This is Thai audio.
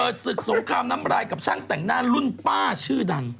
ศึกสงครามน้ำรายกับช่างแต่งหน้ารุ่นป้าชื่อดัง